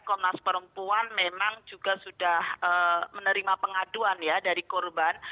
komnas perempuan memang juga sudah menerima pengaduan ya dari korban